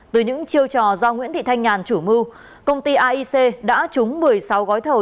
từ những chiêu trò do nguyễn thị thanh nhàn chủ mưu công ty aic đã trúng một mươi sáu gói thầu